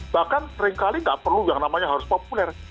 bahkan seringkali nggak perlu yang namanya harus populer